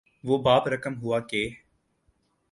وہ باب رقم ہوا کہ